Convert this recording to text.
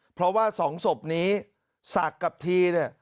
เพราะว่าสองศพนี้ศักดิ์กับทีเนี่ย